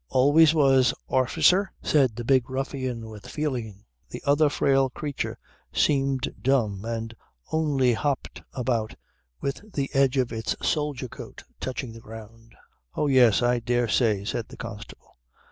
"Always was, orficer," said the big ruffian with feeling. The other frail creature seemed dumb and only hopped about with the edge of its soldier coat touching the ground. "Oh yes, I dare say," said the constable.